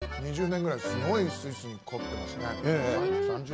ここ２０年ぐらいすごいスイスにこってますね。